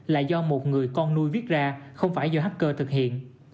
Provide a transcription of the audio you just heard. là do một người con nuôi viết ra không phải do hacker thực hiện